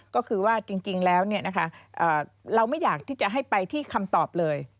ก็คือว่าจริงแล้วเราไม่อยากที่จะให้ไปที่คำตอบเลย